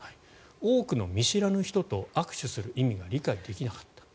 多くの見知らぬ人と握手する意味が理解できなかった。